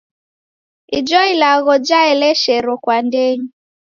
Ijo ilagho jaeleshero kwa ndenyi.